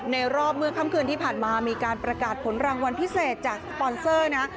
ในรอบเมื่อค่ำคืนที่ผ่านมามีการประกาศผลรางวัลพิเศษจากสปอนเซอร์นะ